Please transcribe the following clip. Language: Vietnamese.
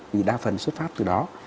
vì đa phần xuất phát từ đó